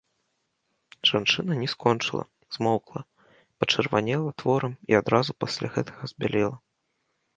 Жанчына не скончыла, змоўкла, пачырванела тварам і адразу пасля гэтага збялела.